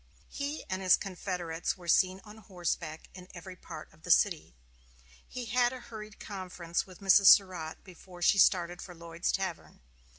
He and his confederates were seen on horseback in every part of the city. He had a hurried conference with Mrs. Surratt before she started for Lloyd's tavern.